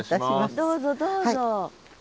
どうぞどうぞ。